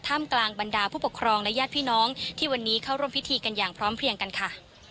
มกลางบรรดาผู้ปกครองและญาติพี่น้องที่วันนี้เข้าร่วมพิธีกันอย่างพร้อมเพลียงกันค่ะ